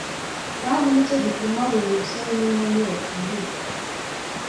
kandi ni cyo gituma buri musore n’inkumi bakwiriye